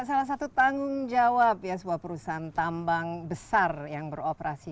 salah satu tanggung jawab perusahaan tambang besar yang beroperasi